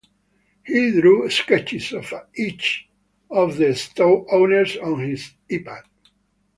He drew sketches of each of the storeowners on his iPad.